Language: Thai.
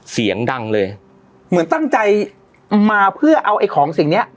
เสียงดังเลยเหมือนตั้งใจมาเพื่อเอาไอ้ของสิ่งเนี้ย